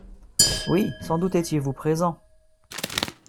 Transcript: Oui ! Sans doute étiez-vous présent.